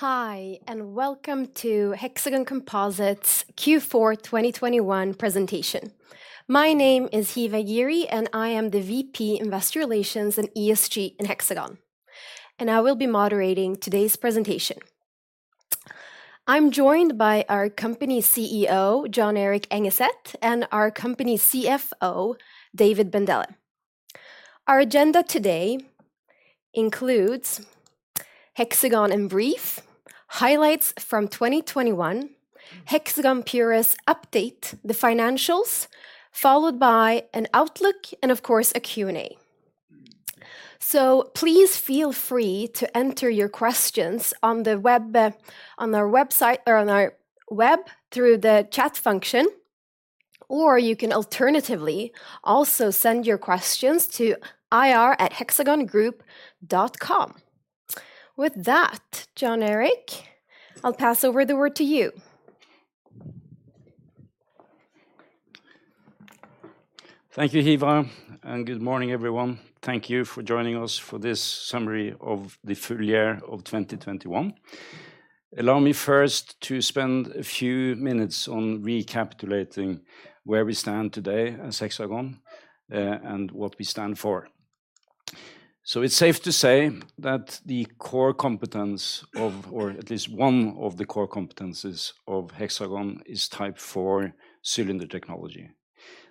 Hi, and welcome to Hexagon Composites Q4 2021 presentation. My name is Hiva Ghiri, and I am the VP Investor Relations and ESG in Hexagon, and I will be moderating today's presentation. I'm joined by our company CEO, Jon Erik Engeset, and our company CFO, David Bandele. Our agenda today includes Hexagon in brief, highlights from 2021, Hexagon Purus update, the financials, followed by an outlook and of course a Q&A. Please feel free to enter your questions on the web, on our website or on our web through the chat function, or you can alternatively also send your questions to ir@hexagongroup.com. With that, Jon Erik, I'll pass over the word to you. Thank you, Hiva, and good morning, everyone. Thank you for joining us for this summary of the full year of 2021. Allow me first to spend a few minutes on recapitulating where we stand today as Hexagon, and what we stand for. It's safe to say that the core competence of, or at least one of the core competencies of Hexagon is Type 4 cylinder technology.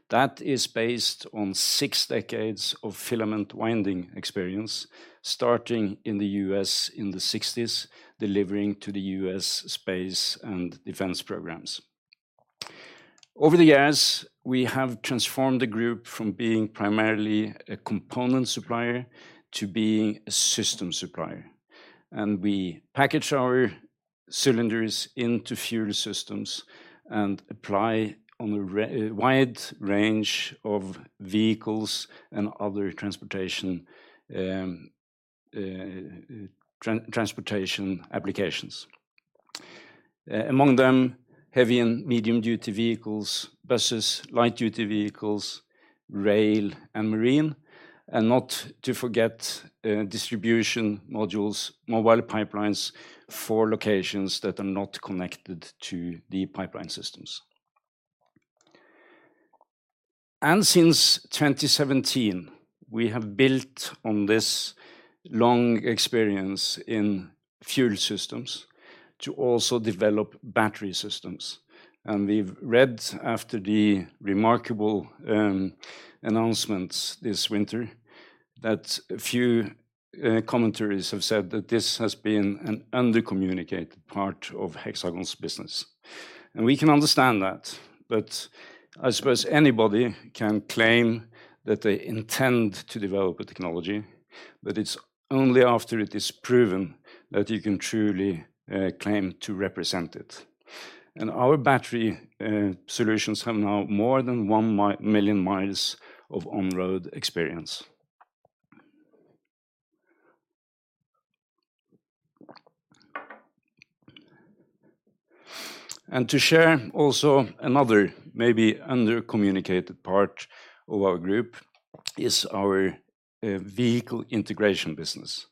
That is based on six decades of filament winding experience, starting in the U.S. in the sixties, delivering to the U.S. space and defense programs. Over the years, we have transformed the group from being primarily a component supplier to being a system supplier. We package our cylinders into fuel systems and apply on a wide range of vehicles and other transportation applications. Among them, heavy and medium-duty vehicles, buses, light-duty vehicles, rail and marine, and not to forget, distribution modules, mobile pipelines for locations that are not connected to the pipeline systems. Since 2017, we have built on this long experience in fuel systems to also develop battery systems. We've read after the remarkable announcements this winter that a few commentaries have said that this has been an under-communicated part of Hexagon's business. We can understand that, but I suppose anybody can claim that they intend to develop a technology, but it's only after it is proven that you can truly claim to represent it. Our battery solutions have now more than 1 million miles of on-road experience. To share also another maybe under-communicated part of our group is our vehicle integration business.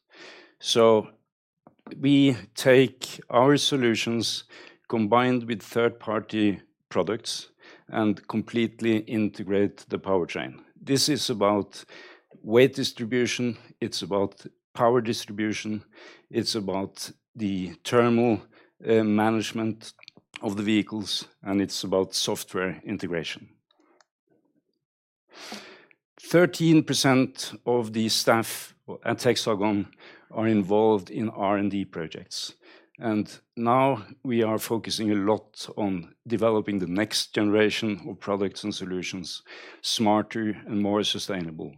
We take our solutions combined with third-party products and completely integrate the powertrain. This is about weight distribution, it's about power distribution, it's about the thermal management of the vehicles, and it's about software integration. 13% of the staff at Hexagon are involved in R&D projects, and now we are focusing a lot on developing the next generation of products and solutions, smarter and more sustainable,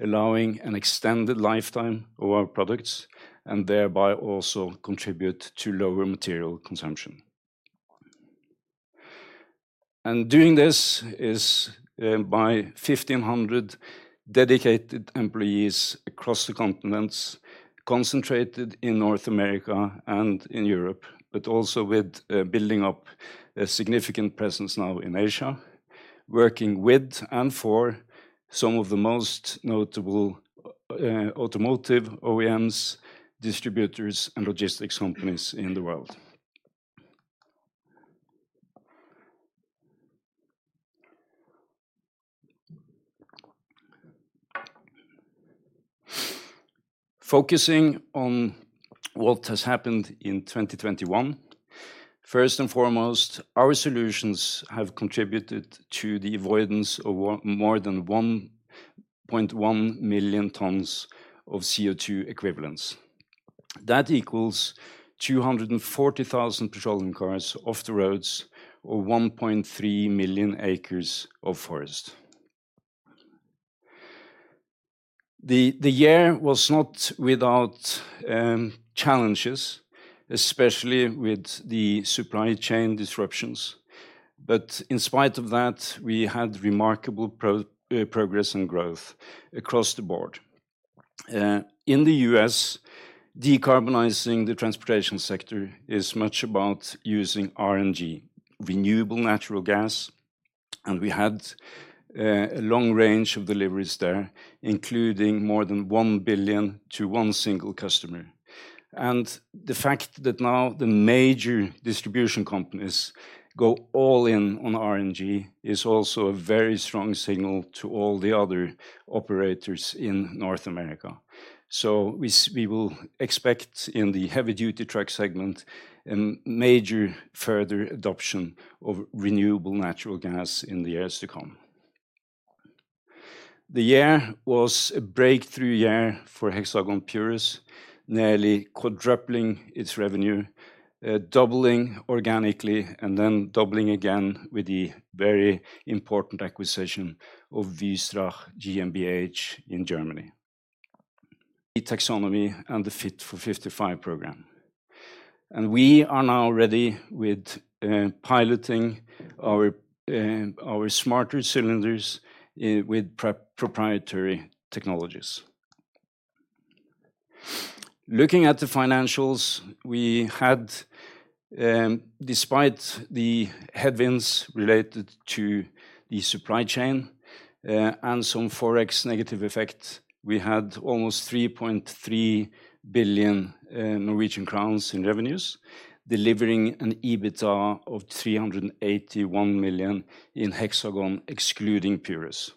allowing an extended lifetime of our products and thereby also contribute to lower material consumption. Doing this is by 1,500 dedicated employees across the continents, concentrated in North America and in Europe, but also with building up a significant presence now in Asia, working with and for some of the most notable automotive OEMs, distributors, and logistics companies in the world. Focusing on what has happened in 2021, first and foremost, our solutions have contributed to the avoidance of more than 1.1 million tons of CO2 equivalents. That equals 240,000 petroleum cars off the roads or 1.3 million acres of forest. The year was not without challenges, especially with the supply chain disruptions. In spite of that, we had remarkable progress and growth across the board. In the U.S., decarbonizing the transportation sector is much about using RNG, renewable natural gas. We had a long range of deliveries there, including more than 1 billion to one single customer. The fact that now the major distribution companies go all in on RNG is also a very strong signal to all the other operators in North America. We will expect in the heavy-duty truck segment a major further adoption of renewable natural gas in the years to come. The year was a breakthrough year for Hexagon Purus, nearly quadrupling its revenue, doubling organically, and then doubling again with the very important acquisition of Wystrach GmbH in Germany. The taxonomy and the Fit for 55 program. We are now ready with piloting our smart cylinders with proprietary technologies. Looking at the financials, we had, despite the headwinds related to the supply chain and some forex negative effect, almost 3.3 billion Norwegian crowns in revenues, delivering an EBITDA of 381 million in Hexagon, excluding Purus.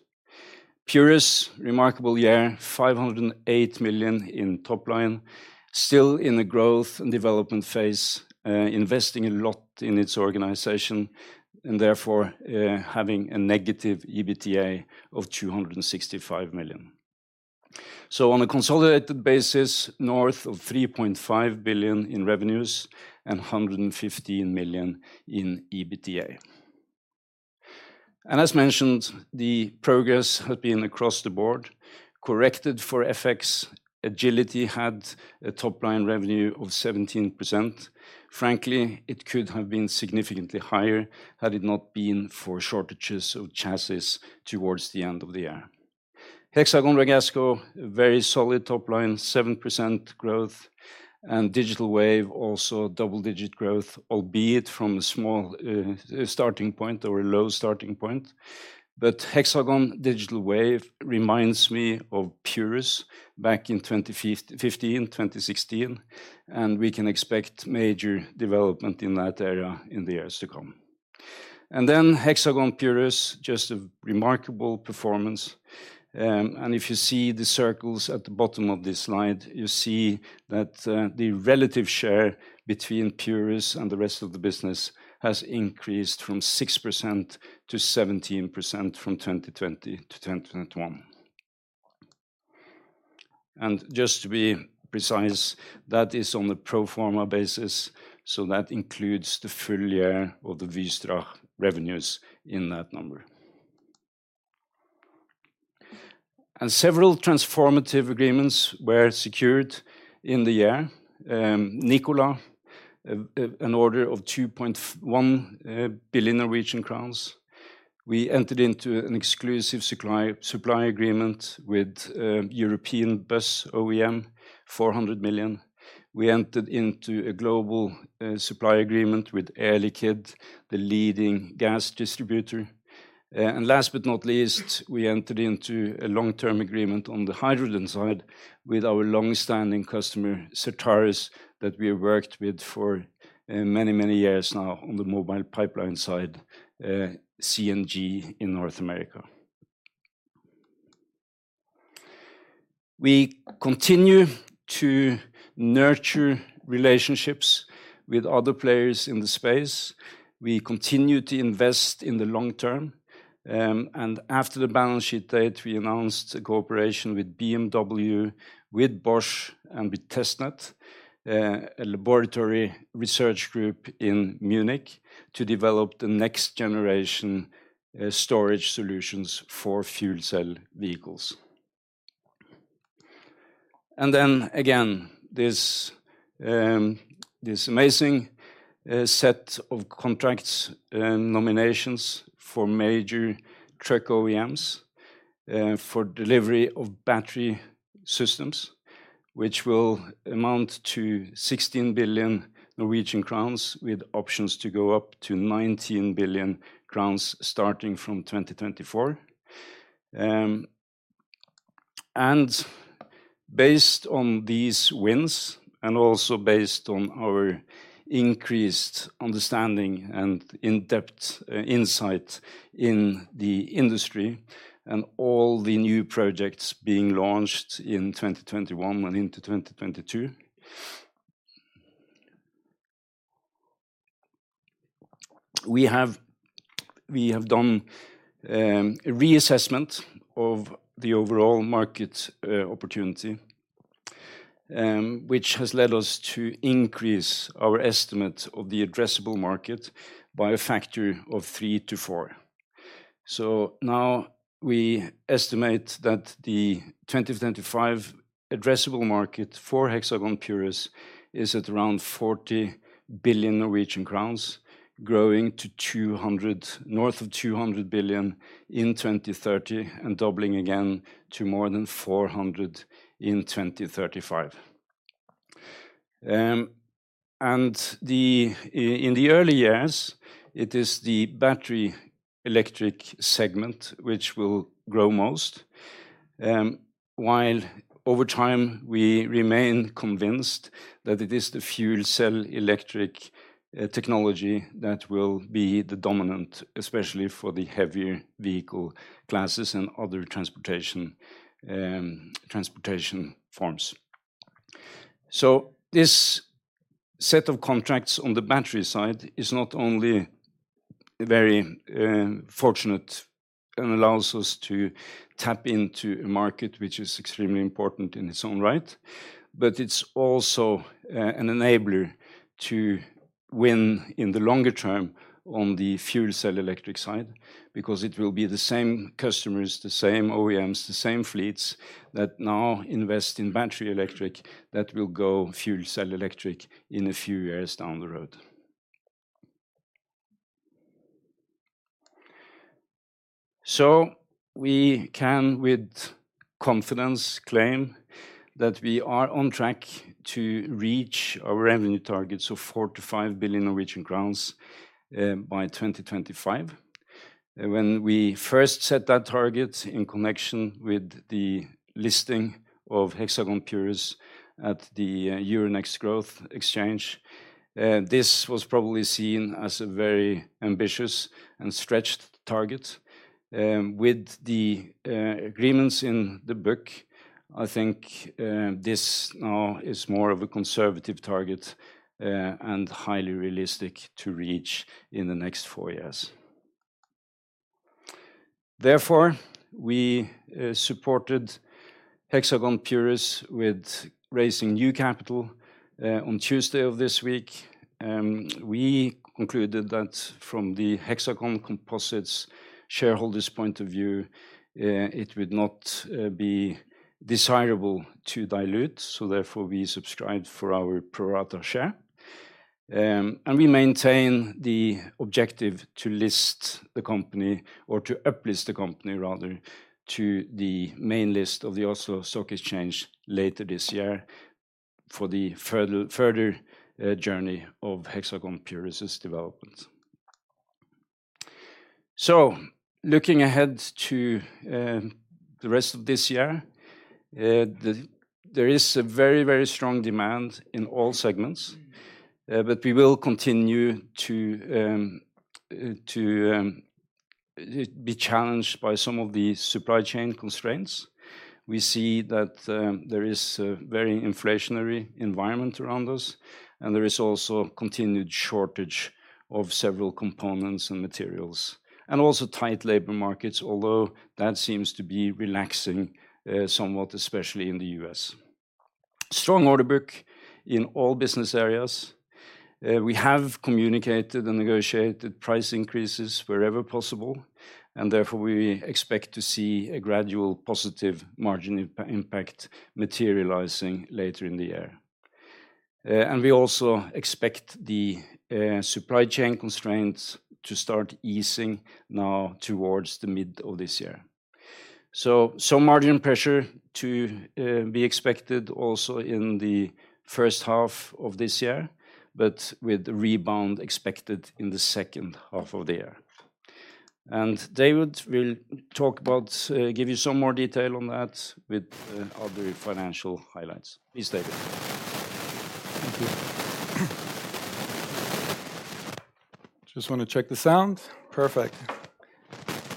Purus, remarkable year, 508 million in top line, still in the growth and development phase, investing a lot in its organization, and therefore, having a negative EBITDA of 265 million. On a consolidated basis, north of 3.5 billion in revenues and 115 million in EBITDA. As mentioned, the progress has been across the board. Corrected for FX, Hexagon Agility had a top-line revenue of 17%. Frankly, it could have been significantly higher had it not been for shortages of chassis towards the end of the year. Hexagon Ragasco, a very solid top line, 7% growth. Digital Wave also double-digit growth, albeit from a small starting point or a low starting point. Hexagon Digital Wave reminds me of Purus back in 2015, 2016, and we can expect major development in that area in the years to come. Hexagon Purus, just a remarkable performance. If you see the circles at the bottom of this slide, you see that, the relative share between Purus and the rest of the business has increased from 6% to 17% from 2020 to 2021. Just to be precise, that is on a pro forma basis, so that includes the full year of the Wystrach revenues in that number. Several transformative agreements were secured in the year. Nikola, an order of 2.1 billion Norwegian crowns. We entered into an exclusive supply agreement with European Bus OEM, 400 million. We entered into a global supply agreement with Air Liquide, the leading gas distributor. Last but not least, we entered into a long-term agreement on the hydrogen side with our long-standing customer, Certarus, that we worked with for many years now on the Mobile Pipeline side, CNG in North America. We continue to nurture relationships with other players in the space. We continue to invest in the long term. After the balance sheet date, we announced a cooperation with BMW, with Bosch, and with TesTneT, a laboratory research group in Munich, to develop the next generation storage solutions for fuel cell vehicles. Then again, this amazing set of contracts and nominations for major truck OEMs for delivery of battery systems, which will amount to 16 billion Norwegian crowns with options to go up to 19 billion crowns starting from 2024. Based on these wins, and also based on our increased understanding and in-depth insight in the industry and all the new projects being launched in 2021 and into 2022, we have done a reassessment of the overall market opportunity, which has led us to increase our estimate of the addressable market by a factor of three-four. We estimate that the 2025 addressable market for Hexagon Purus is at around 40 billion Norwegian crowns, growing to north of 200 billion in 2030 and doubling again to more than 400 billion in 2035. In the early years, it is the battery electric segment which will grow most, while over time we remain convinced that it is the fuel cell electric technology that will be the dominant, especially for the heavier vehicle classes and other transportation forms. This set of contracts on the battery side is not only very fortunate and allows us to tap into a market which is extremely important in its own right, but it's also an enabler to win in the longer term on the fuel cell electric side because it will be the same customers, the same OEMs, the same fleets that now invest in battery electric that will go fuel cell electric in a few years down the road. We can, with confidence, claim that we are on track to reach our revenue targets of 4 billion-5 billion Norwegian crowns by 2025. When we first set that target in connection with the listing of Hexagon Purus at the Euronext Growth Oslo, this was probably seen as a very ambitious and stretched target. With the agreements in the book, I think this now is more of a conservative target and highly realistic to reach in the next four years. Therefore, we supported Hexagon Purus with raising new capital on Tuesday of this week. We concluded that from the Hexagon Composites shareholders' point of view, it would not be desirable to dilute, so therefore we subscribed for our pro rata share. We maintain the objective to list the company or to uplist the company rather to the main list of the Oslo Stock Exchange later this year for the further journey of Hexagon Purus' development. Looking ahead to the rest of this year, there is a very, very strong demand in all segments, but we will continue to be challenged by some of the supply chain constraints. We see that there is a very inflationary environment around us, and there is also a continued shortage of several components and materials, and also tight labor markets, although that seems to be relaxing somewhat, especially in the U.S. Strong order book in all business areas. We have communicated and negotiated price increases wherever possible, and therefore we expect to see a gradual positive margin impact materializing later in the year. We also expect the supply chain constraints to start easing now towards the mid of this year. Some margin pressure to be expected also in the first half of this year, but with rebound expected in the second half of the year. David will give you some more detail on that with other financial highlights. Please, David. Thank you. Just wanna check the sound. Perfect.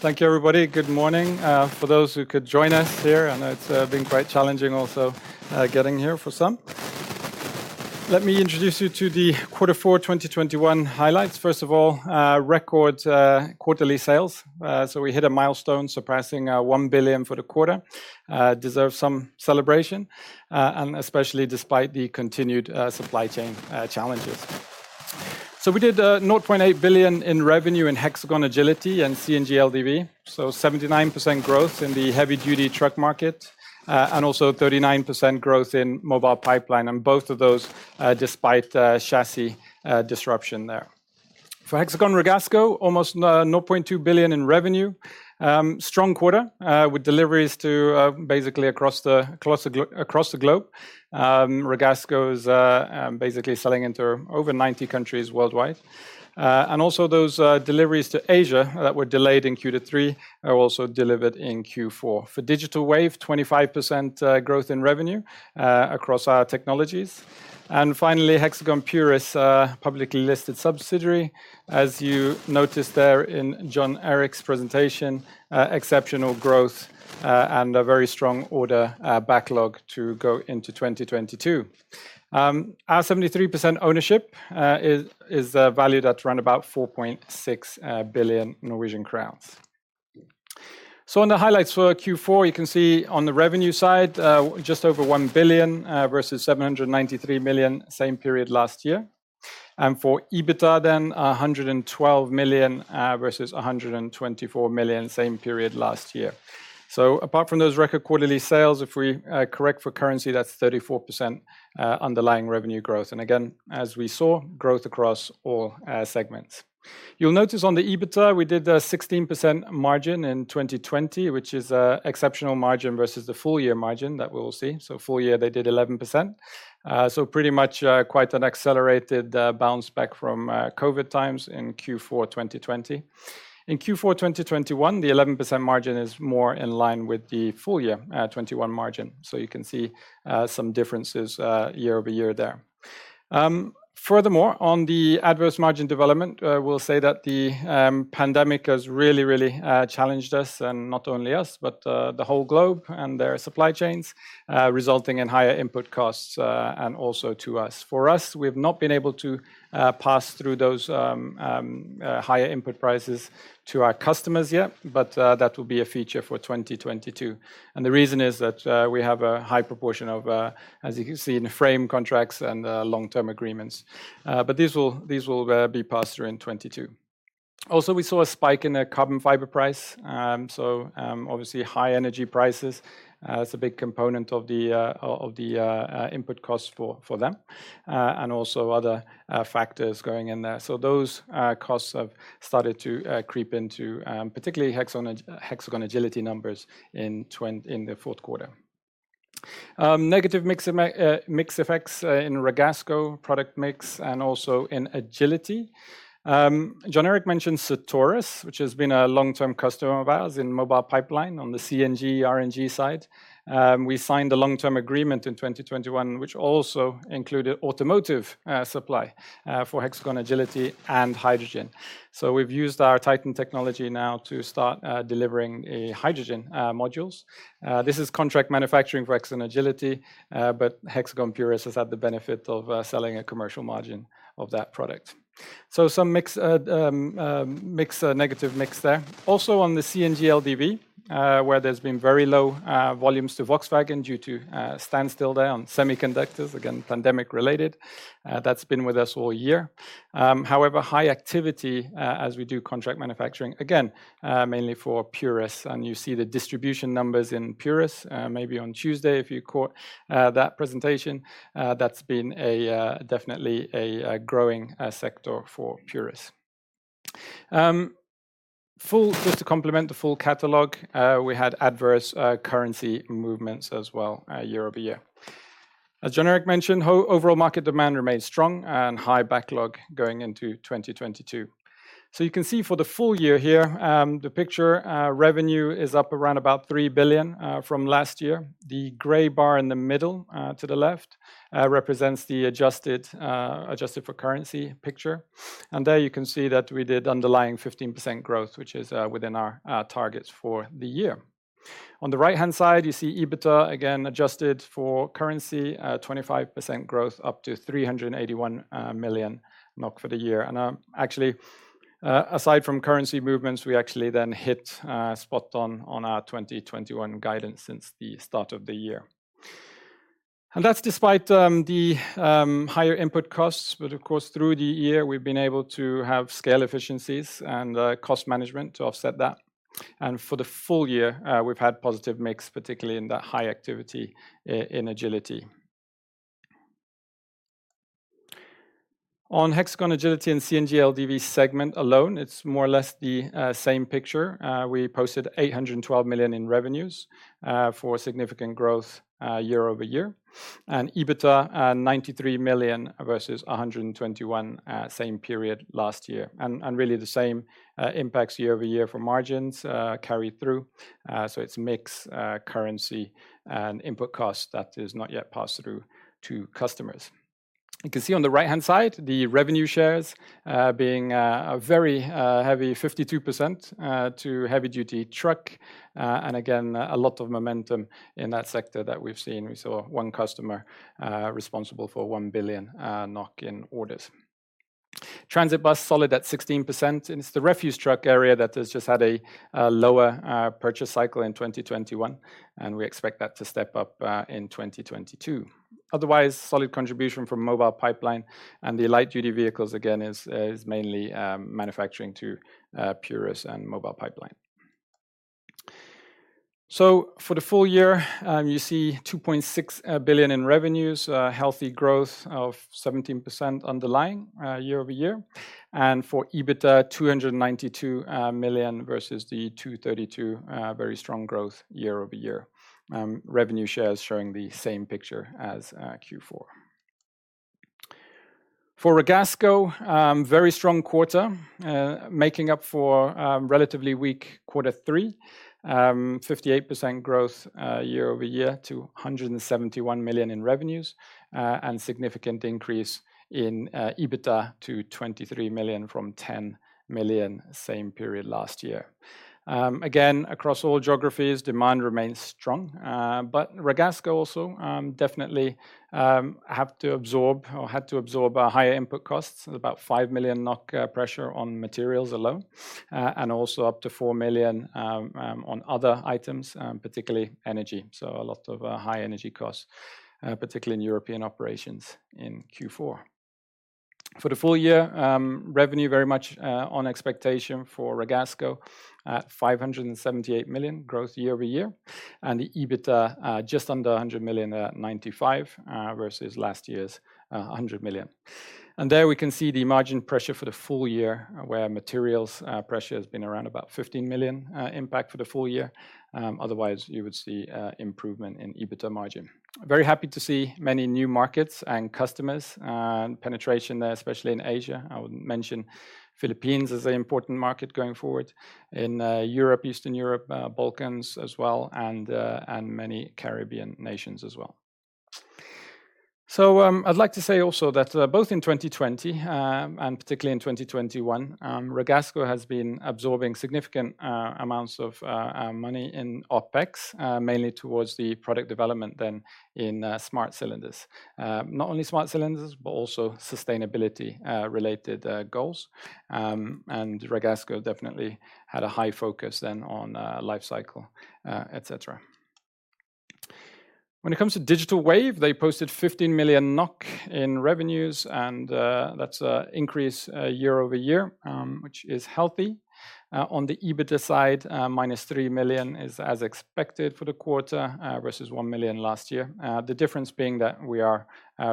Thank you, everybody. Good morning, for those who could join us here. I know it's been quite challenging also, getting here for some. Let me introduce you to the Q4 2021 highlights. First of all, record quarterly sales. We hit a milestone surpassing 1 billion for the quarter. Deserves some celebration, and especially despite the continued supply chain challenges. We did 0.8 billion in revenue in Hexagon Agility and CNG LDV, so 79% growth in the heavy duty truck market, and also 39% growth in mobile pipeline, and both of those despite chassis disruption there. For Hexagon Ragasco, almost 0.2 billion in revenue. Strong quarter with deliveries to basically across the globe. Ragasco is basically selling into over 90 countries worldwide. Those deliveries to Asia that were delayed in Q3 are also delivered in Q4. For Digital Wave, 25% growth in revenue across our technologies. Hexagon Purus, a publicly listed subsidiary. As you noticed there in Jon Erik's presentation, exceptional growth and a very strong order backlog to go into 2022. Our 73% ownership is valued at around about 4.6 billion Norwegian crowns. On the highlights for Q4, you can see on the revenue side just over 1 billion versus 793 million same period last year. For EBITDA then, 112 million versus 124 million same period last year. Apart from those record quarterly sales, if we correct for currency, that's 34% underlying revenue growth. Again, as we saw, growth across all segments. You'll notice on the EBITDA, we did a 16% margin in 2020, which is an exceptional margin versus the full year margin that we will see. Full year they did 11%. Pretty much quite an accelerated bounce back from COVID times in Q4 2020. In Q4 2021, the 11% margin is more in line with the full year 2021 margin. You can see some differences year-over-year there. Furthermore, on the adverse margin development, we'll say that the pandemic has really challenged us, and not only us, but the whole globe and their supply chains, resulting in higher input costs, and also to us. For us, we've not been able to pass through those higher input prices to our customers yet, but that will be a feature for 2022. The reason is that we have a high proportion of, as you can see in the framework contracts and long-term agreements. These will be passed through in 2022. Also, we saw a spike in the carbon fiber price. Obviously high energy prices is a big component of the input costs for them and also other factors going in there. Those costs have started to creep into particularly Hexagon Agility numbers in the fourth quarter. Negative mix effects in Ragasco product mix and also in Agility. Jon Erik mentioned Sartorius, which has been a long-term customer of ours in Mobile Pipeline on the CNG, RNG side. We signed a long-term agreement in 2021, which also included automotive supply for Hexagon Agility and hydrogen. We've used our TITAN technology now to start delivering hydrogen modules. This is contract manufacturing for Hexagon Agility, but Hexagon Purus has had the benefit of selling a commercial margin of that product. Some negative mix there. Also, on the CNG LDV, where there's been very low volumes to Volkswagen due to standstill there on semiconductors, again, pandemic-related, that's been with us all year. However, high activity as we do contract manufacturing, again, mainly for Purus, and you see the distribution numbers in Purus, maybe on Tuesday, if you caught that presentation. That's been definitely a growing sector for Purus. Just to complement the full catalog, we had adverse currency movements as well, year-over-year. As Jon Erik mentioned, overall market demand remained strong and high backlog going into 2022. You can see for the full year here the picture, revenue is up around about 3 billion from last year. The gray bar in the middle to the left represents the adjusted for currency picture. There you can see that we did underlying 15% growth, which is within our targets for the year. On the right-hand side, you see EBITDA, again, adjusted for currency, 25% growth, up to 381 million NOK for the year. Actually, aside from currency movements, we actually then hit spot on our 2021 guidance since the start of the year. That's despite the higher input costs, but of course, through the year, we've been able to have scale efficiencies and cost management to offset that. For the full year, we've had positive mix, particularly in that high activity in Agility. On Hexagon Agility and CNG LDV segment alone, it's more or less the same picture. We posted 812 million in revenues for significant growth year-over-year, and EBITDA 93 million versus 121 same period last year. Really the same impacts year-over-year for margins carried through. It's mix, currency and input cost that is not yet passed through to customers. You can see on the right-hand side, the revenue shares being a very heavy 52% to heavy-duty truck. Again, a lot of momentum in that sector that we've seen. We saw one customer responsible for 1 billion in orders. Transit bus solid at 16%. It's the refuse truck area that has just had a lower purchase cycle in 2021, and we expect that to step up in 2022. Otherwise, solid contribution from Mobile Pipeline and the light-duty vehicles again is mainly manufacturing to Purus and Mobile Pipeline. For the full year, you see 2.6 billion in revenues, healthy growth of 17% underlying year-over-year. For EBITDA, 292 million versus the 232 million, very strong growth year-over-year. Revenue shares showing the same picture as Q4. For Ragasco, very strong quarter, making up for relatively weak quarter three. 58% growth year-over-year to 171 million in revenues, and significant increase in EBITDA to 23 million from 10 million same period last year. Again, across all geographies, demand remains strong. But Ragasco also definitely have to absorb or had to absorb a higher input costs of about 5 million NOK, pressure on materials alone, and also up to 4 million on other items, particularly energy. A lot of high energy costs, particularly in European operations in Q4. For the full year, revenue very much on expectation for Ragasco at 578 million growth year-over-year, and the EBITDA just under 100 million, 95 versus last year's 100 million. There we can see the margin pressure for the full year where materials pressure has been around about 15 million impact for the full year. Otherwise, you would see improvement in EBITDA margin. Very happy to see many new markets and customer penetration there, especially in Asia. I would mention Philippines as an important market going forward. In Europe, Eastern Europe, Balkans as well, and many Caribbean nations as well. I'd like to say also that both in 2020 and particularly in 2021, Ragasco has been absorbing significant amounts of money in OpEx, mainly towards the product development than in smart cylinders. Not only smart cylinders, but also sustainability related goals. Ragasco definitely had a high focus then on life cycle et cetera. When it comes to Digital Wave, they posted 15 million NOK in revenues, and that's a increase year-over-year, which is healthy. On the EBITDA side, -3 million is as expected for the quarter, versus 1 million last year. The difference being that we are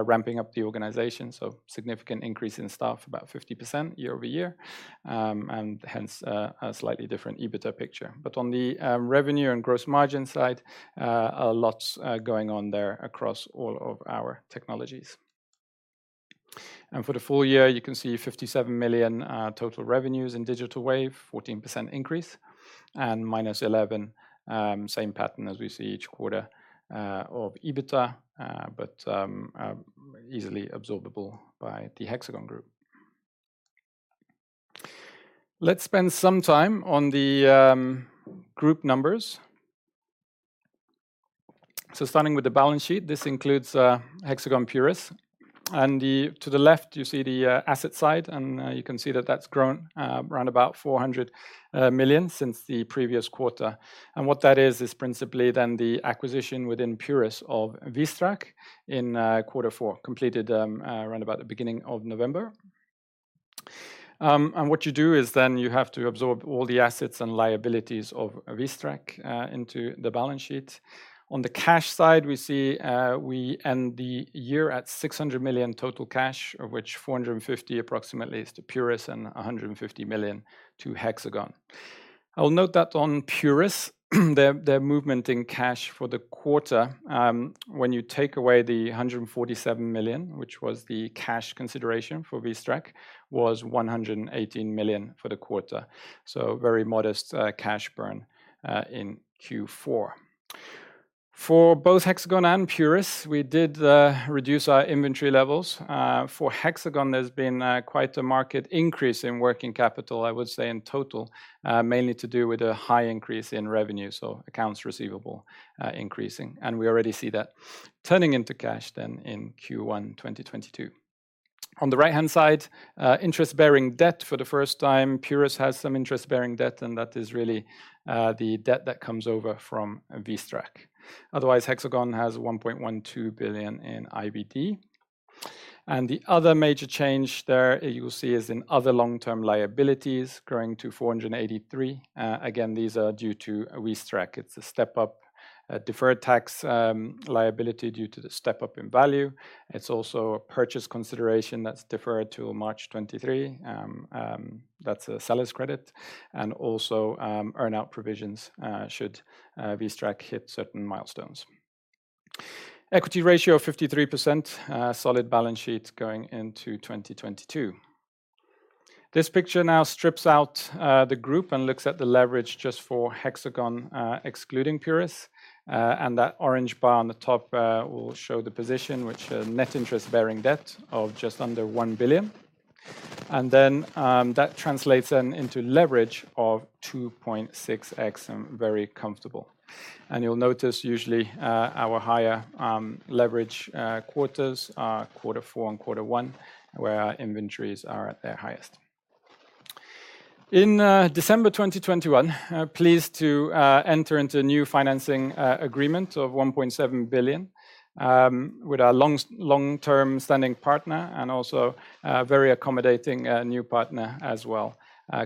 ramping up the organization, so significant increase in staff, about 50% year-over-year. Hence, a slightly different EBITDA picture. On the revenue and gross margin side, a lot's going on there across all of our technologies. For the full year, you can see 57 million total revenues in Digital Wave, 14% increase, and -11%, same pattern as we see each quarter of EBITDA, but easily absorbable by the Hexagon group. Let's spend some time on the group numbers. Starting with the balance sheet, this includes Hexagon Purus. To the left, you see the asset side, and you can see that that's grown around about 400 million since the previous quarter. What that is principally then the acquisition within Purus of Wystrach in quarter four, completed around about the beginning of November. What you do is then you have to absorb all the assets and liabilities of Wystrach into the balance sheet. On the cash side, we see we end the year at 600 million total cash, of which approximately NOK 450 million is to Purus and 150 million to Hexagon. I will note that on Purus, their movement in cash for the quarter, when you take away the 147 million, which was the cash consideration for Wystrach, was 118 million for the quarter. Very modest cash burn in Q4. For both Hexagon and Purus, we did reduce our inventory levels. For Hexagon, there's been quite a marked increase in working capital, I would say, in total, mainly to do with a high increase in revenue, so accounts receivable increasing. We already see that turning into cash then in Q1 2022. On the right-hand side, interest-bearing debt. For the first time, Purus has some interest-bearing debt, and that is really the debt that comes over from Wystrach. Otherwise, Hexagon has 1.12 billion in IBD. The other major change there you'll see is in other long-term liabilities growing to 483 million. Again, these are due to Wystrach. It's a step-up deferred tax liability due to the step-up in value. It's also a purchase consideration that's deferred to March 2023. That's a seller's credit. Earn-out provisions should Wystrach hit certain milestones. Equity ratio of 53%. Solid balance sheet going into 2022. This picture now strips out the group and looks at the leverage just for Hexagon, excluding Purus. That orange bar on the top will show the position, which has a net interest-bearing debt of just under 1 billion. That translates then into leverage of 2.6x, very comfortable. You'll notice usually our higher leverage quarters are quarter four and quarter one, where our inventories are at their highest. We were pleased to enter into a new financing agreement of 1.7 billion with our long-standing partner and also a very accommodating new partner as well,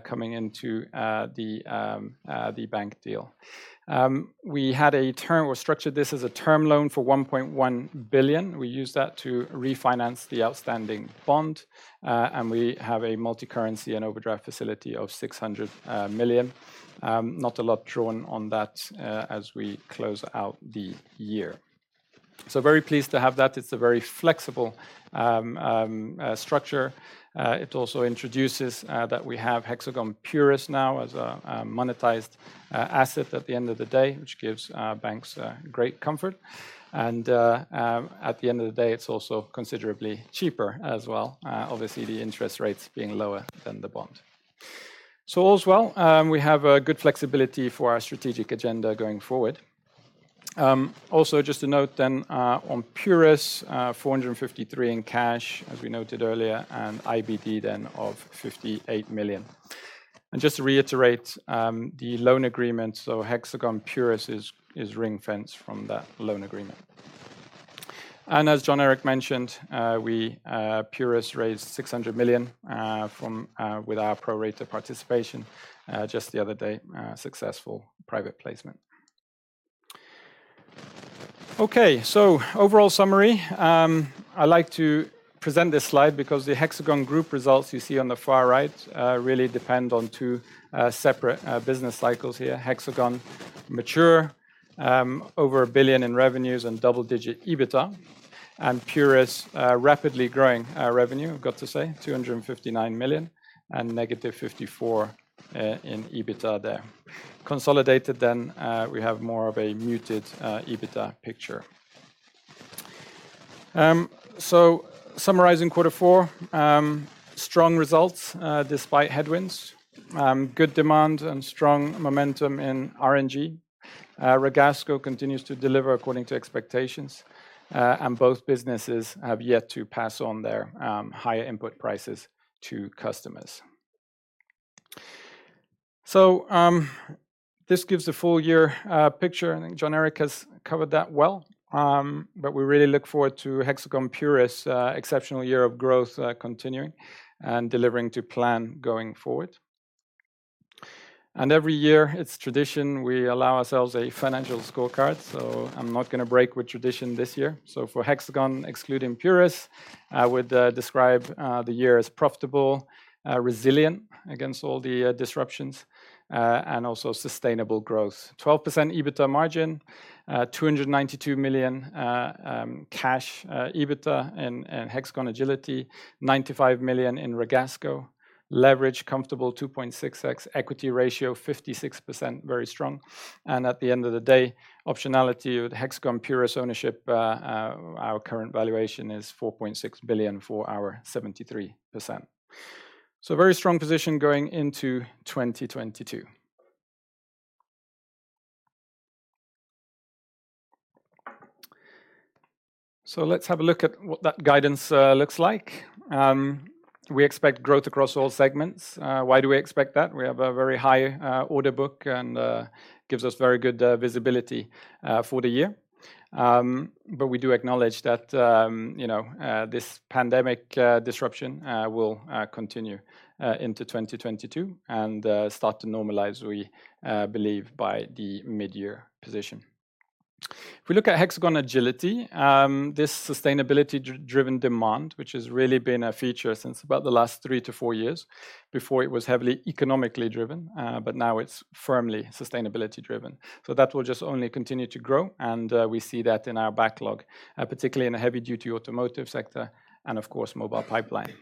coming into the bank deal. We structured this as a term loan for 1.1 billion. We used that to refinance the outstanding bond, and we have a multicurrency and overdraft facility of 600 million. Not a lot drawn on that as we close out the year. Very pleased to have that. It's a very flexible structure. It also introduces that we have Hexagon Purus now as a monetized asset at the end of the day, which gives our banks great comfort. At the end of the day, it's also considerably cheaper as well, obviously the interest rates being lower than the bond. All's well. We have a good flexibility for our strategic agenda going forward. Also just to note, on Purus, 453 in cash, as we noted earlier, and IBD then of 58 million. Just to reiterate, the loan agreement, so Hexagon Purus is ring-fenced from that loan agreement. As Jon Erik mentioned, we Purus raised 600 million, from, with our pro rata participation, just the other day, successful private placement. Okay. Overall summary, I like to present this slide because the Hexagon group results you see on the far right really depend on two separate business cycles here. Hexagon is mature, over 1 billion in revenues and double-digit EBITDA. Purus is rapidly growing our revenue. I've got to say, 259 million and -54 million in EBITDA there. Consolidated, we have more of a muted EBITDA picture. Summarizing quarter four, strong results despite headwinds. Good demand and strong momentum in RNG. Ragasco continues to deliver according to expectations, and both businesses have yet to pass on their higher input prices to customers. This gives the full year picture, and Jon Erik Engeset has covered that well. We really look forward to Hexagon Purus' exceptional year of growth continuing and delivering to plan going forward. Every year, it's tradition, we allow ourselves a financial scorecard. I'm not gonna break with tradition this year. For Hexagon, excluding Purus, I would describe the year as profitable, resilient against all the disruptions, and also sustainable growth. 12% EBITDA margin, 292 million cash EBITDA in Hexagon Agility, 95 million in Ragasco. Leverage comfortable 2.6x, equity ratio 56%, very strong. At the end of the day, optionality with Hexagon Purus ownership, our current valuation is 4.6 billion for our 73%. A very strong position going into 2022. Let's have a look at what that guidance looks like. We expect growth across all segments. Why do we expect that? We have a very high order book and gives us very good visibility for the year. We do acknowledge that, you know, this pandemic disruption will continue into 2022 and start to normalize, we believe, by the mid-year position. If we look at Hexagon Agility, this sustainability driven demand, which has really been a feature since about the last three-four years. Before it was heavily economically driven, but now it's firmly sustainability driven. That will just only continue to grow, and we see that in our backlog, particularly in the heavy duty automotive sector and of course, Mobile Pipeline.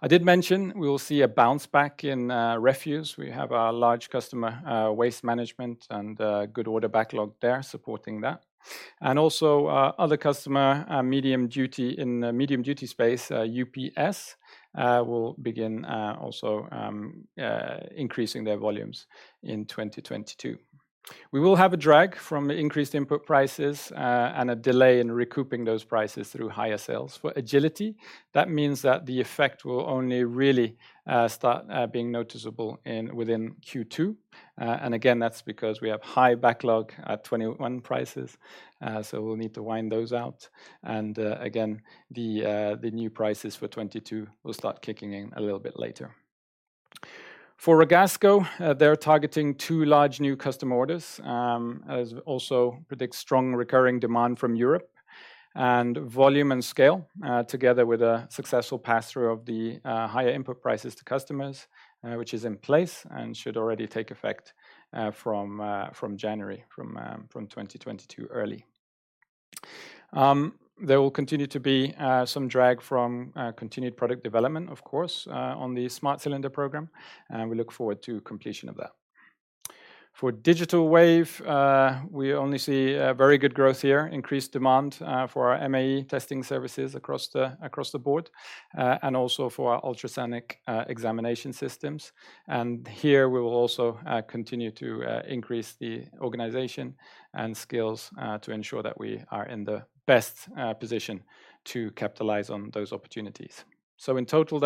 I did mention we will see a bounce back in refuse. We have our large customer, Waste Management, and good order backlog there supporting that. Other customer in the medium duty space, UPS, will begin also increasing their volumes in 2022. We will have a drag from increased input prices and a delay in recouping those prices through higher sales. For Agility, that means that the effect will only really start being noticeable in Q2. Again, that's because we have high backlog at 2021 prices, so we'll need to wind those out. Again, the new prices for 2022 will start kicking in a little bit later. For Ragasco, they're targeting two large new customer orders and also predict strong recurring demand from Europe. Volume and scale, together with a successful pass-through of the higher input prices to customers, which is in place and should already take effect from early 2022. There will continue to be some drag from continued product development, of course, on the Smart Cylinder program, and we look forward to completion of that. For Digital Wave, we only see very good growth here, increased demand for our MAE testing services across the board, and also for our ultrasonic examination systems. Here, we will also continue to increase the organization and skills to ensure that we are in the best position to capitalize on those opportunities. In total,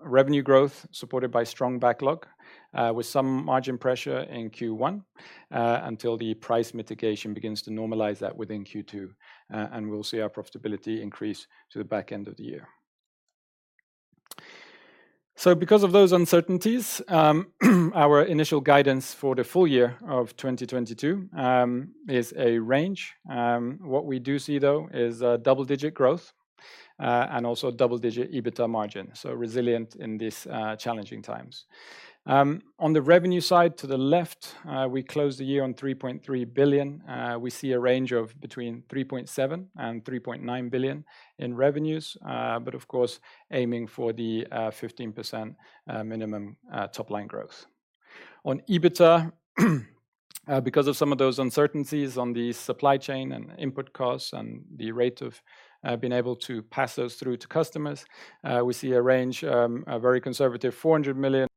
revenue growth supported by strong backlog, with some margin pressure in Q1, until the price mitigation begins to normalize that within Q2, and we'll see our profitability increase to the back end of the year. Because of those uncertainties, our initial guidance for the full year of 2022 is a range. What we do see though is double-digit growth, and also double-digit EBITDA margin, so resilient in these challenging times. On the revenue side to the left, we closed the year on 3.3 billion. We see a range of between 3.7 billion and 3.9 billion in revenues, but of course, aiming for the 15% minimum top-line growth. On EBITDA, because of some of those uncertainties on the supply chain and input costs and the rate of being able to pass those through to customers, we see a range, a very conservative 400 million,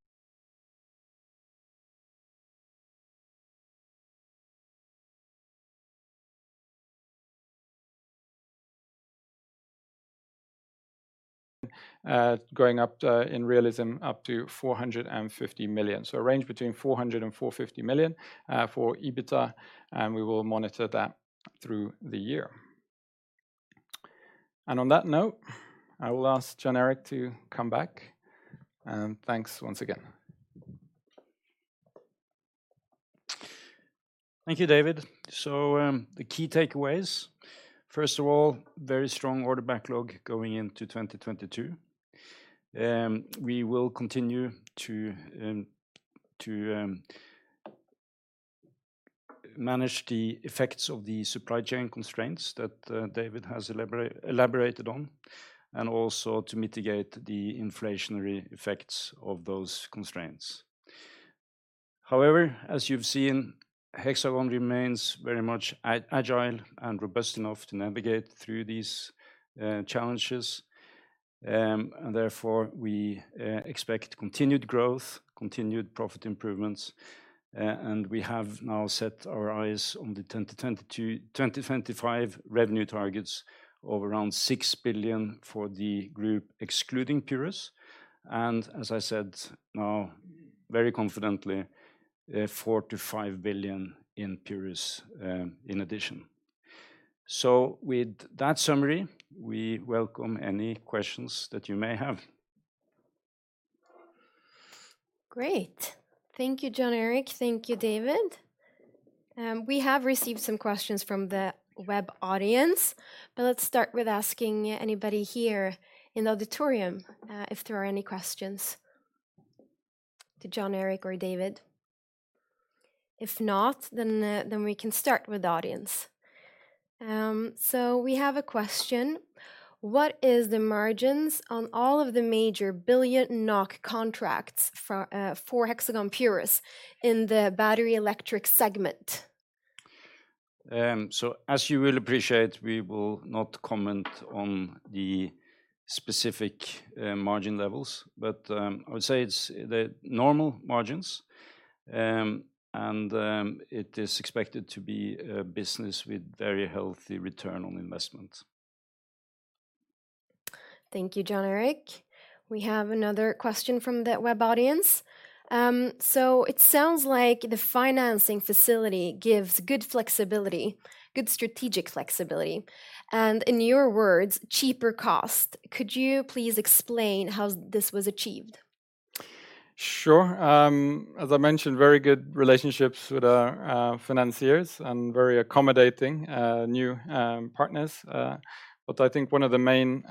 going up to, in realism, up to 450 million. A range between 400 million and 450 million for EBITDA, and we will monitor that through the year. On that note, I will ask Jon Erik to come back, and thanks once again. Thank you, David. The key takeaways, first of all, very strong order backlog going into 2022. We will continue to manage the effects of the supply chain constraints that David has elaborated on, and also to mitigate the inflationary effects of those constraints. However, as you've seen, Hexagon remains very much agile and robust enough to navigate through these challenges. Therefore, we expect continued growth, continued profit improvements, and we have now set our eyes on the 2022-2025 revenue targets of around 6 billion for the group excluding Purus. As I said now very confidently, 4 billion-5 billion in Purus, in addition. With that summary, we welcome any questions that you may have. Great. Thank you, Jon Erik. Thank you, David. We have received some questions from the web audience, but let's start with asking anybody here in the auditorium if there are any questions to Jon Erik or David. If not, then we can start with the audience. So we have a question. What is the margins on all of the major billion NOK contracts for Hexagon Purus in the battery electric segment? As you will appreciate, we will not comment on the specific margin levels. I would say it's the normal margins, and it is expected to be a business with very healthy return on investment. Thank you, Jon Erik. We have another question from the web audience. It sounds like the financing facility gives good flexibility, good strategic flexibility, and in your words, cheaper cost. Could you please explain how this was achieved? Sure. As I mentioned, very good relationships with our financiers and very accommodating new partners. I think one of the main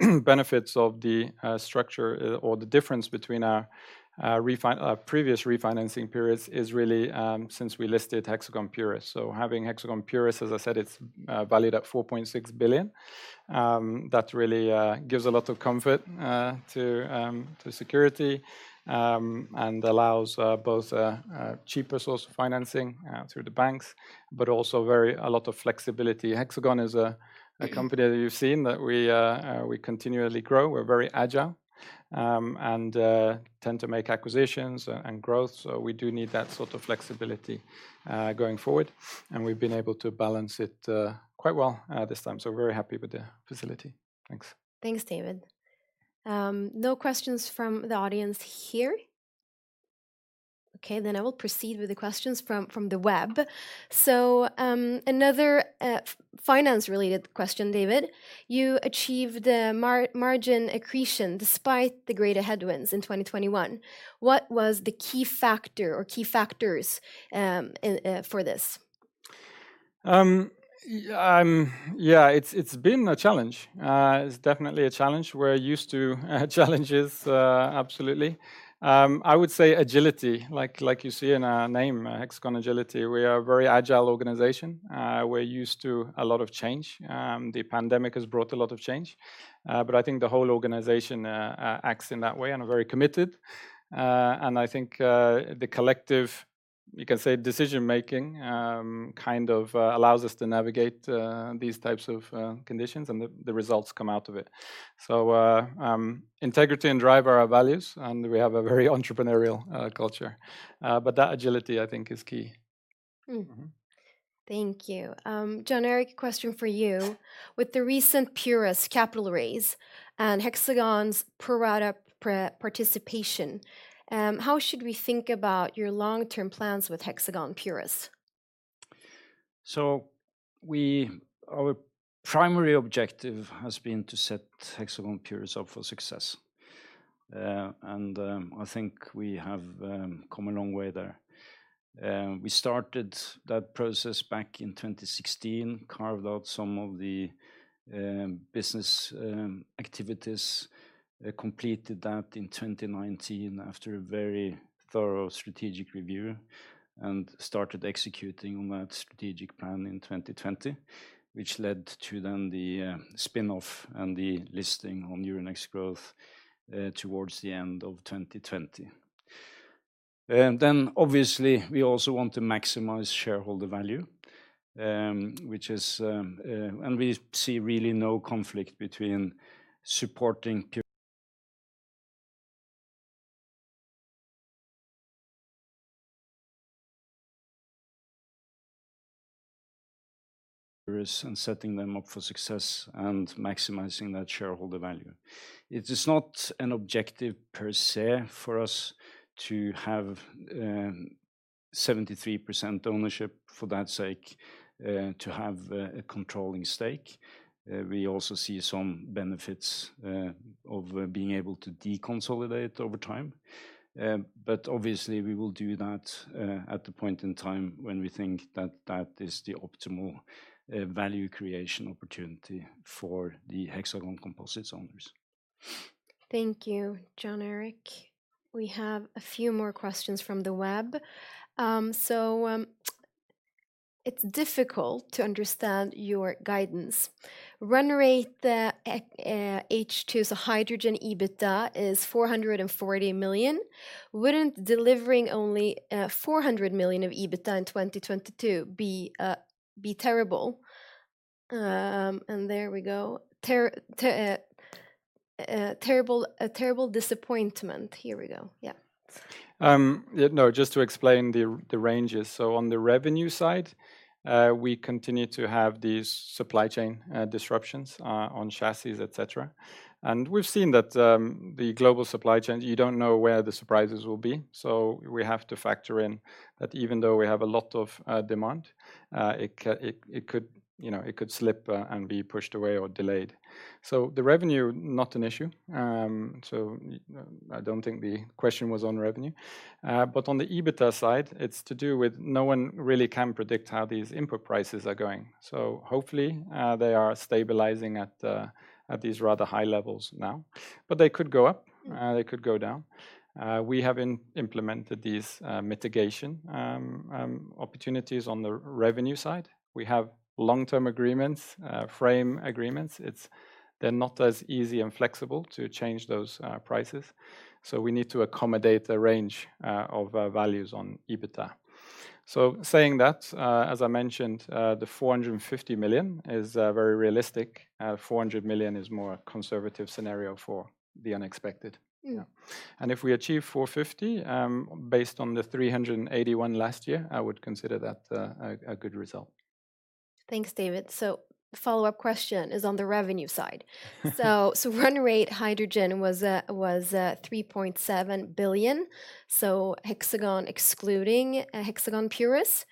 benefits of the structure or the difference between our previous refinancing periods is really since we listed Hexagon Purus. Having Hexagon Purus, as I said, it's valued at 4.6 billion. That really gives a lot of comfort to security and allows both cheaper source of financing through the banks, but also a lot of flexibility. Hexagon is a company that you've seen that we continually grow. We're very agile and tend to make acquisitions and growth. We do need that sort of flexibility, going forward, and we've been able to balance it, quite well, this time. We're very happy with the facility. Thanks. Thanks, David. No questions from the audience here. Okay, I will proceed with the questions from the web. Another finance related question, David. You achieved a margin accretion despite the greater headwinds in 2021. What was the key factor or key factors for this? Yeah, it's been a challenge. It's definitely a challenge. We're used to challenges, absolutely. I would say agility, like you see in our name, Hexagon Agility. We are a very agile organization. We're used to a lot of change. The pandemic has brought a lot of change. I think the whole organization acts in that way and are very committed. I think the collective, you can say, decision-making kind of allows us to navigate these types of conditions, and the results come out of it. Integrity and drive are our values, and we have a very entrepreneurial culture. That agility, I think, is key. Mm-hmm. Mm-hmm. Thank you. Jon Erik, a question for you. With the recent Purus capital raise and Hexagon's pro rata participation, how should we think about your long-term plans with Hexagon Purus? Our primary objective has been to set Hexagon Purus up for success. I think we have come a long way there. We started that process back in 2016, carved out some of the business activities. We completed that in 2019 after a very thorough strategic review and started executing on that strategic plan in 2020, which led to the spin-off and the listing on Euronext Growth towards the end of 2020. We also want to maximize shareholder value, which is. We see really no conflict between supporting Purus and setting them up for success and maximizing that shareholder value. It is not an objective per se for us to have 73% ownership for that sake, to have a controlling stake. We also see some benefits of being able to deconsolidate over time. Obviously, we will do that at the point in time when we think that is the optimal value creation opportunity for the Hexagon Composites owners. Thank you, Jon Erik. We have a few more questions from the web. It's difficult to understand your guidance. Run rate, H2, so hydrogen EBITDA is 440 million. Wouldn't delivering only 400 million of EBITDA in 2022 be terrible, a terrible disappointment. Yeah. Yeah, no, just to explain the ranges. On the revenue side, we continue to have these supply chain disruptions on chassis, et cetera. We've seen that the global supply chain, you don't know where the surprises will be. We have to factor in that even though we have a lot of demand, it could, you know, it could slip and be pushed away or delayed. The revenue, not an issue. I don't think the question was on revenue. On the EBITDA side, it's to do with no one really can predict how these input prices are going. Hopefully, they are stabilizing at these rather high levels now. They could go up, they could go down. We have implemented these mitigation opportunities on the revenue side. We have long-term agreements, framework agreements. They're not as easy and flexible to change those prices, so we need to accommodate a range of values on EBITDA. Saying that, as I mentioned, the 450 million is very realistic. 400 million is more conservative scenario for the unexpected. Yeah. If we achieve 450, based on the 381 last year, I would consider that a good result. Thanks, David. Follow-up question is on the revenue side. Run rate hydrogen was 3.7 billion, so Hexagon excluding Hexagon Purus,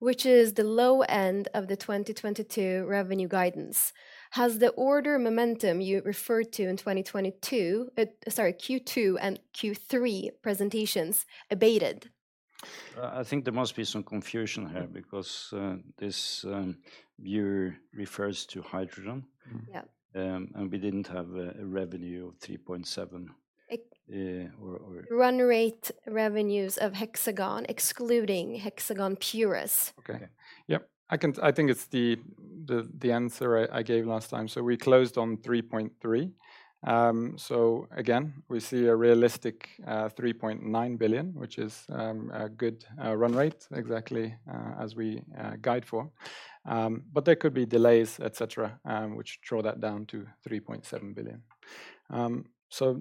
which is the low end of the 2022 revenue guidance. Has the order momentum you referred to in 2022 Q2 and Q3 presentations abated? I think there must be some confusion here because this viewer refers to hydrogen. Yeah. We didn't have a revenue of 3.7 billion. E- Uh, or- Run-rate revenues of Hexagon excluding Hexagon Purus. Okay. Yeah. I think it's the answer I gave last time. We closed on 3.3 billion. Again, we see a realistic 3.9 billion, which is a good run rate exactly as we guide for. There could be delays, et cetera, which draw that down to 3.7 billion.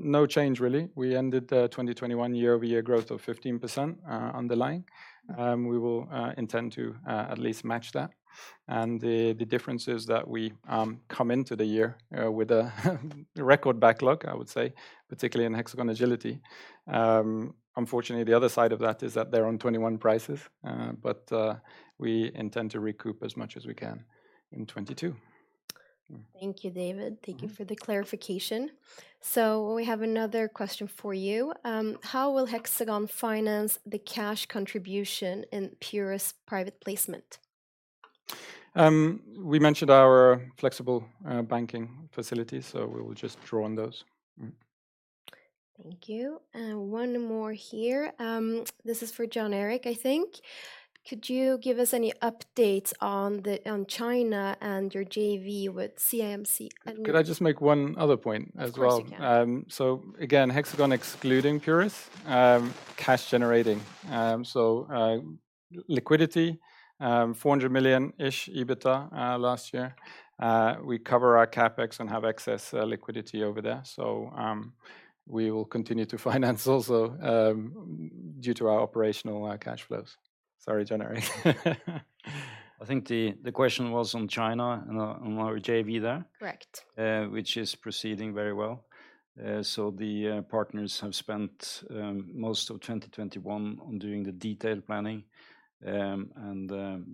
No change really. We ended the 2021 year-over-year growth of 15% underlying. We will intend to at least match that. The difference is that we come into the year with a record backlog, I would say, particularly in Hexagon Agility. Unfortunately, the other side of that is that they're on 2021 prices, but we intend to recoup as much as we can in 2022. Thank you, David. Thank you for the clarification. We have another question for you. How will Hexagon finance the cash contribution in Purus private placement? We mentioned our flexible banking facilities, so we will just draw on those. Thank you. One more here. This is for Jon Erik, I think. Could you give us any updates on China and your JV with CIMC and- Could I just make one other point as well? Of course you can. Again, Hexagon excluding Purus, cash generating. Liquidity, 400 million-ish EBITDA last year. We cover our CapEx and have excess liquidity over there. We will continue to finance also due to our operational cash flows. Sorry, Jon Erik. I think the question was on China and on our JV there. Correct. Which is proceeding very well. The partners have spent most of 2021 on doing the detailed planning.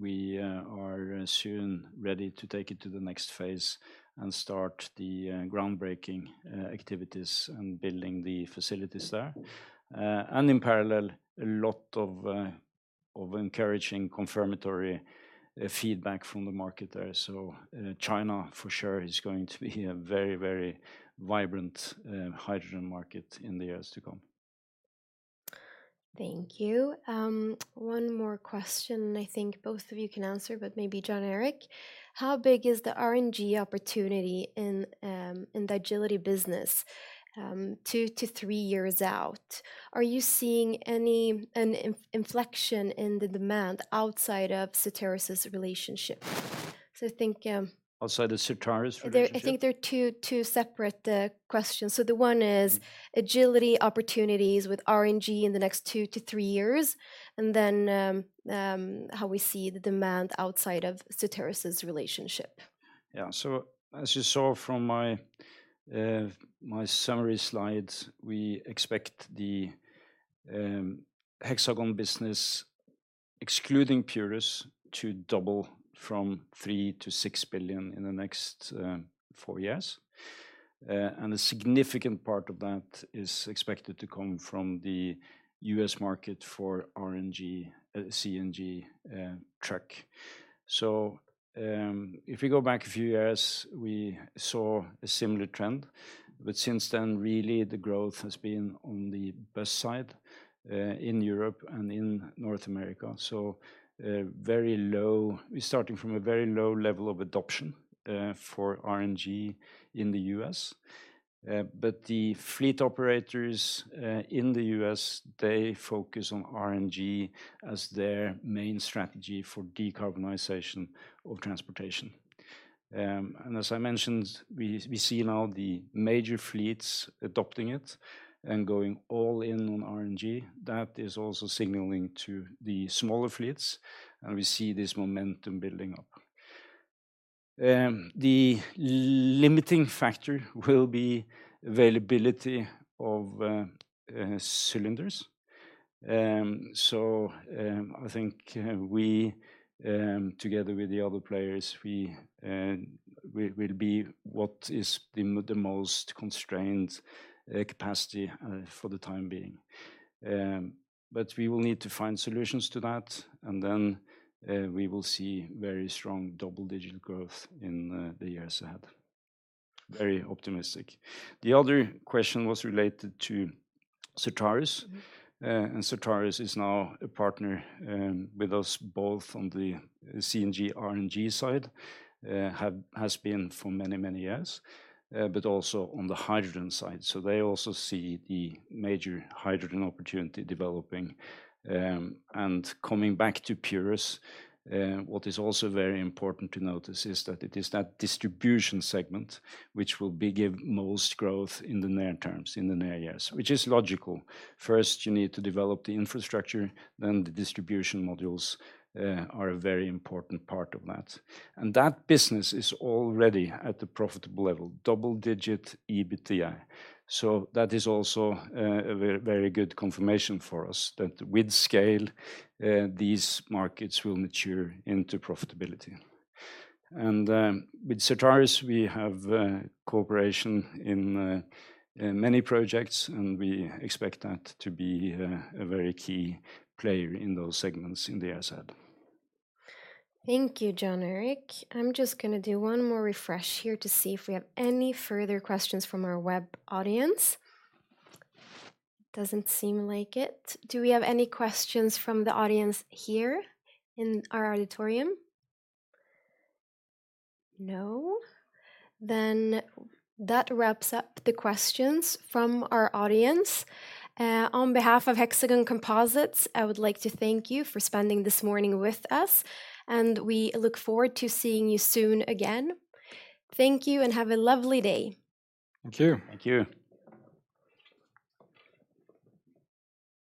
We are soon ready to take it to the next phase and start the groundbreaking activities and building the facilities there. In parallel, a lot of encouraging confirmatory feedback from the market there. China for sure is going to be a very, very vibrant hydrogen market in the years to come. Thank you. One more question I think both of you can answer, but maybe Jon Erik. How big is the RNG opportunity in the Agility business two-three years out? Are you seeing any inflection in the demand outside of Certarus' relationship? I think. Outside of Certarus relationship? I think there are two separate questions. The one is Agility opportunities with RNG in the next two-three years, and then how we see the demand outside of Certarus' relationship. As you saw from my summary slide, we expect the Hexagon business excluding Purus to double from 3 billion to 6 billion in the next four years. A significant part of that is expected to come from the U.S. market for RNG CNG truck. If you go back a few years, we saw a similar trend, but since then, really the growth has been on the bus side in Europe and in North America. We're starting from a very low level of adoption for RNG in the U.S. The fleet operators in the U.S. focus on RNG as their main strategy for decarbonization of transportation. As I mentioned, we see now the major fleets adopting it and going all in on RNG. That is also signaling to the smaller fleets, and we see this momentum building up. The limiting factor will be availability of cylinders. I think we, together with the other players, will be the most constrained capacity for the time being. We will need to find solutions to that, and then we will see very strong double-digit growth in the years ahead. Very optimistic. The other question was related to Certarus. Mm-hmm. Certarus is now a partner with us both on the CNG, RNG side, has been for many years, but also on the hydrogen side. They also see the major hydrogen opportunity developing, and coming back to Purus, what is also very important to notice is that it is that distribution segment which will give most growth in the near term, in the near years, which is logical. First, you need to develop the infrastructure, then the distribution modules are a very important part of that. That business is already at a profitable level, double digit EBITDA. That is also a very, very good confirmation for us that with scale, these markets will mature into profitability. With Certarus, we have cooperation in many projects, and we expect that to be a very key player in those segments in the years ahead. Thank you, Jon Eric. I'm just gonna do one more refresh here to see if we have any further questions from our web audience. Doesn't seem like it. Do we have any questions from the audience here in our auditorium? No. That wraps up the questions from our audience. On behalf of Hexagon Composites, I would like to thank you for spending this morning with us, and we look forward to seeing you soon again. Thank you, and have a lovely day. Thank you. Thank you.